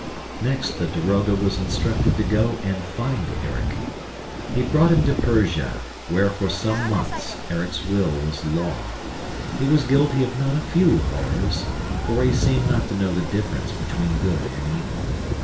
Next the daroga was instructed to go and find Erik. He brought him to Persia, where for some months Erik's will was law. He was guilty of not a few horrors, for he seemed not to know the difference between good and evil.